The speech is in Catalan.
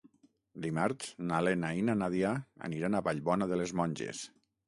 Dimarts na Lena i na Nàdia aniran a Vallbona de les Monges.